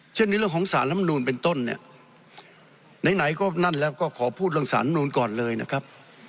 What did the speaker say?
ในเรื่องของสารลำนูนเป็นต้นเนี่ยไหนก็นั่นแล้วก็ขอพูดเรื่องสารนูนก่อนเลยนะครับ